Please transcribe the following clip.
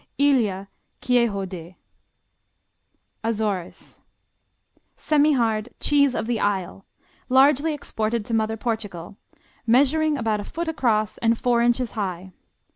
Ilha, Queijo de Azores Semihard "Cheese of the Isle," largely exported to mother Portugal, measuring about a foot across and four inches high.